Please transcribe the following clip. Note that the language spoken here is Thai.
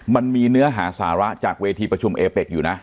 มันมีเนื้อหาสาระจากเวทีประชุมเอเป็กอยู่นะ